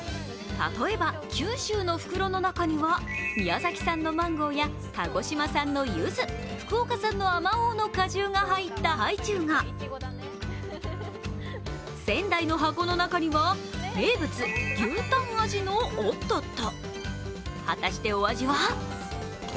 例えば、九州の袋の中には宮崎産のマンゴーや鹿児島産のゆず、福岡産のあまおうの果汁が入ったハイチュウが仙台の箱の中には名物牛タン味のおっとっと。